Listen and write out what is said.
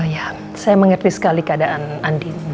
ya saya mengerti sekali keadaan andi